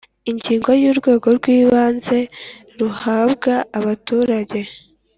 Ingingo y’ Urwego rw Ibanze ruhabwa abaturange